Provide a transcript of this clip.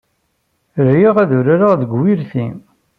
Riɣ ad urareɣ deg wurti.